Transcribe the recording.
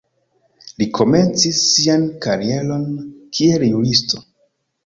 Li komencis sian karieron kiel juristo.